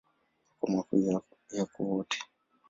Makao makuu yako Wote.